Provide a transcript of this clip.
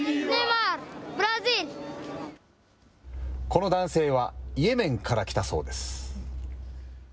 この男性は、イエメンから来たそうです。